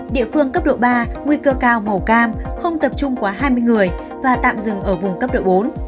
địa phương cấp độ ba nguy cơ cao màu cam không tập trung quá hai mươi người và tạm dừng ở vùng cấp độ bốn